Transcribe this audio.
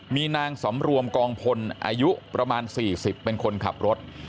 มีนางสำรวมกองพลอายุประมาณ๔๐เป็นคนขับรถ